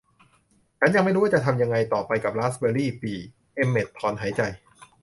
ฉันยังไม่รู้ว่าจะทำอย่างไรต่อไปกับราสเบอร์รี่ปี่เอ็มเม็ตต์ถอนหายใจ